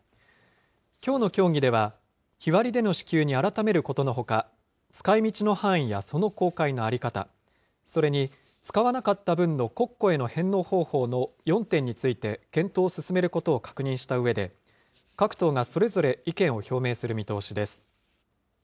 きょうの協議では、日割りでの支給に改めることのほか、使いみちの範囲やその公開の在り方、それに使わなかった分の国庫への返納方法の４点について検討を進めることを確認したうえで、各党がそれぞれ意見を表明する見通しです。